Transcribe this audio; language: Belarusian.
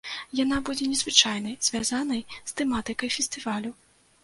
Яна будзе незвычайнай, звязанай з тэматыкай фестывалю.